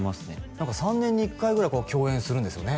何か３年に１回ぐらい共演するんですよね